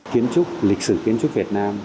kiến trúc lịch sử kiến trúc việt nam